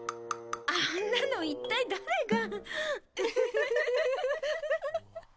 あんなの一体誰が？